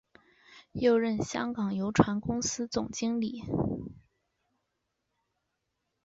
又任香港邮船公司总经理。